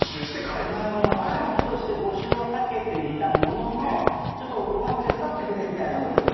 スタッフとして募集はかけていたもののちょっとお前も手伝ってくれみたいなことですよね。